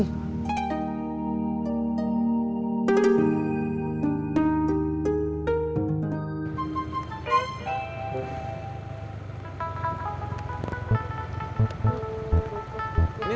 dan saya harus bisa merubutnya kembali